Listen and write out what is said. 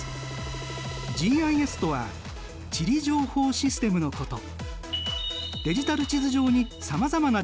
ＧＩＳとは地理情報システムのこと。